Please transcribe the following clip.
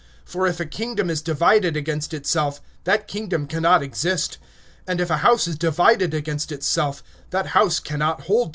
(24)And if a kingdom be divided against itself, that kingdom can not stand. (25)And if a house be divided against itself, that house can not stand.